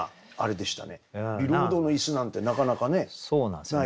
ビロードの椅子なんてなかなかね